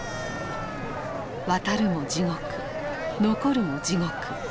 渡るも地獄残るも地獄。